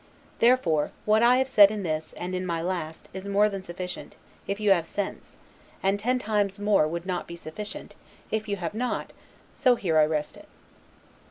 Therefore, what I have said in this, and in my last, is more than sufficient, if you have sense; and ten times more would not be sufficient, if you have not; so here I rest it.